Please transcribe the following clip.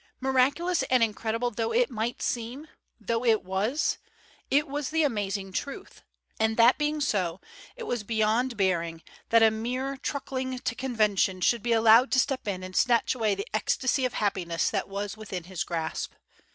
Miraculous and incredible though it might seem—though it was—it was the amazing truth. And that being so, it was beyond bearing that a mere truckling to convention should be allowed to step in and snatch away the ecstasy of happiness that was within his grasp.